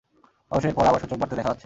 অবশ্য এরপর আবার সূচক বাড়তে দেখা যাচ্ছে।